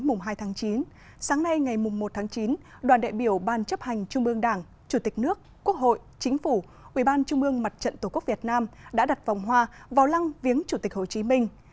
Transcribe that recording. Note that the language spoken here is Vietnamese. hôm hai tháng chín sáng nay ngày một tháng chín đoàn đại biểu ban chấp hành trung ương đảng chủ tịch nước quốc hội chính phủ ubnd tổ quốc việt nam đã đặt vòng hoa vào lăng viếng chủ tịch hồ chí minh